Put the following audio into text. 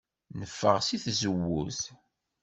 Neffeɣ seg tzewwut.